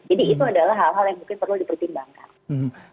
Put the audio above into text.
jadi itu adalah hal hal yang mungkin perlu dipertimbangkan